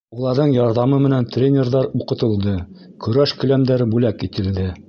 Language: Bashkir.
Уларҙың ярҙамы менән тренерҙар уҡытылды, көрәш келәмдәре бүләк ителде.